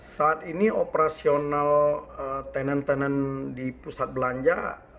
saat ini operasional tenen tenen di pusat belanja